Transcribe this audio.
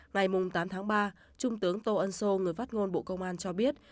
ngày tám tháng ba trung tướng tô ân sô người phát ngôn bộ công an cho biết